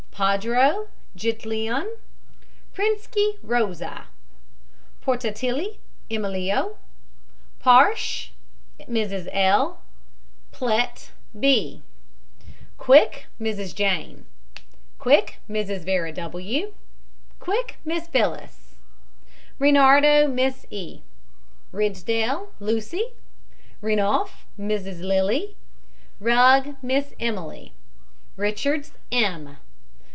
PADRO, JITLIAN. PRINSKY, ROSA. PORTALTTPPI, EMILIO. PARSH, MRS. L. PLETT, B. QUICK, MRS. JANE. QUICK, MRS. VERA W. QUICK, MISS PHYLLIS. REINARDO, MISS E. RIDSDALE, LUCY. RENOUF, MRS. LILY. RUGG, MISS EMILY. RICHARDS, M.